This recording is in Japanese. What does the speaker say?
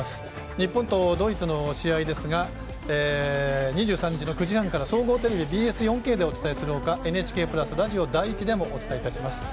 日本とドイツの試合２３日の９時半から総合テレビＢＳ４Ｋでお伝えするほかＮＨＫプラス、ラジオ第１でもお伝えいたします。